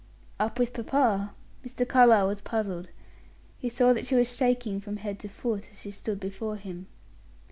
"Up with papa." Mr. Carlyle was puzzled. He saw that she was shaking from head to foot, as she stood before him.